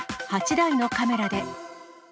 ８台のカメラで。